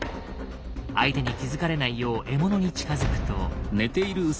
相手に気付かれないよう獲物に近づくと。